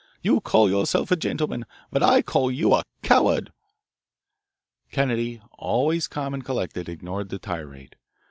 "You call yourself a gentleman, but I call you a coward." Kennedy, always calm and collected, ignored the tirade.